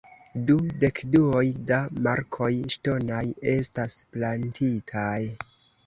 Du dekduoj da markoj ŝtonaj estas plantitaj.